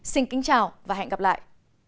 xin chào và hẹn gặp lại